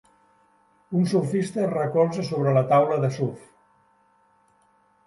Un surfista es recolza sobre la taula de surf.